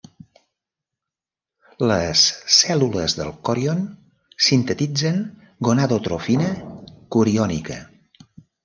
Les cèl·lules del còrion sintetitzen gonadotrofina coriònica.